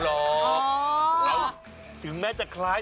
แล้วถึงแม้จะคล้าย